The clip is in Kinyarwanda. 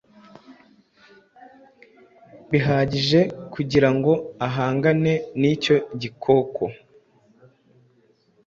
bihagije kugirango ahangane nicyo gikoko